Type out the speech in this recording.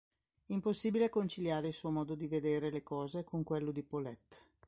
Impossibile conciliare il suo modo di vedere le cose con quello di Paulette.